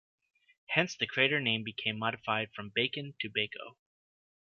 Hence the crater name became modified from Bacon to Baco.